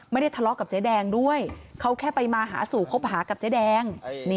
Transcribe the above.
ไม่ได้ทะเลาะกับเจ๊แดงด้วยเขาแค่ไปมาหาสู่คบหากับเจ๊แดง